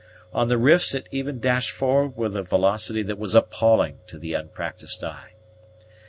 On the rifts it even dashed forward with a velocity that was appalling to the unpractised eye.